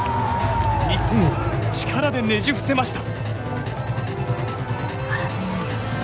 日本を力でねじ伏せました。